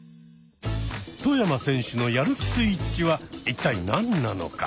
外山選手のやる気スイッチは一体何なのか？